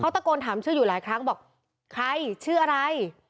ตะโกนถามชื่ออยู่หลายครั้งบอกใครชื่ออะไร